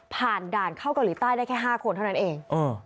ผ่านด่านเข้าเกาหลีใต้ได้แค่๕คนเท่านั้นเอง